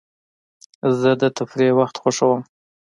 زه د تفریح وخت خوښوم.